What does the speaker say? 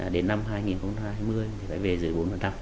đến năm hai nghìn hai mươi phải về dưới bốn năm